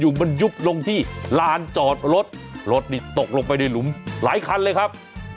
มันยุบลงที่ลานจอดรถรถนี่ตกลงไปในหลุมหลายคันเลยครับ